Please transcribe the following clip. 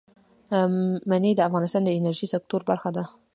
منی د افغانستان د انرژۍ سکتور برخه ده.